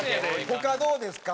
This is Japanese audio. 他どうですか？